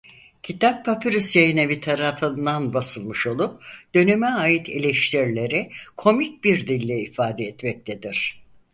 Kitap Papirüs Yayınevi tarafından basılmış olup döneme ait eleştirileri komik bir dille ifade etmektedir.